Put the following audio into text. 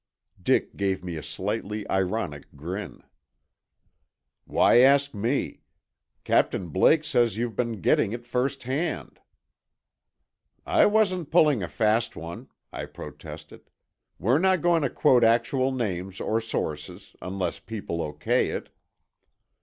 Dick gave me a slightly ironic grin. "Why ask me? Captain Blake says you've been getting it firsthand." "I wasn't pulling a fast one," I protested. "We're not going to quote actual names or sources, unless people. O.K. it."